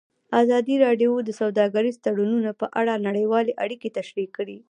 ازادي راډیو د سوداګریز تړونونه په اړه نړیوالې اړیکې تشریح کړي.